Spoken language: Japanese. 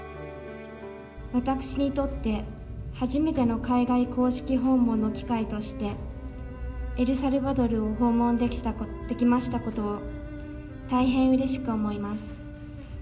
私にとって、初めての海外公式訪問の機会として、エルサルバドルを訪問できましたことを大変うれしく思います。